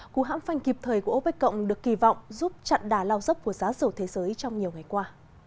cú hãm phanh kịp thời của opec cộng được kỳ vọng giúp chặn đà lao dốc của giá dầu thế giới trong nhiều ngày qua